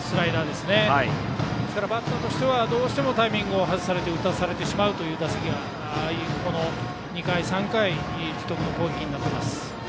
ですからバッターとしてはどうしてもタイミングを外されて打たされてしまうという打席になる２回、３回という樹徳の攻撃になっています。